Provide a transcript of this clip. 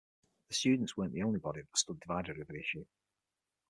The students weren't the only body that stood divided over the issue.